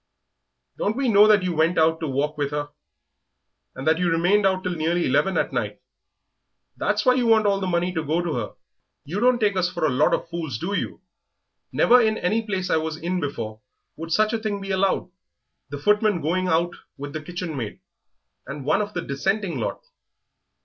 "Don't we know that you went out to walk with her, and that you remained out till nearly eleven at night. That's why you want all the money to go to her. You don't take us for a lot of fools, do you? Never in any place I ever was in before would such a thing be allowed the footman going out with the kitchen maid, and one of the Dissenting lot."